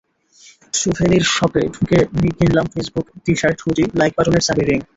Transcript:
Souvenir শপে ঢুকে কিনলাম ফেসবুক টি–শার্ট, হুডি, লাইক বাটনের চাবির রিং।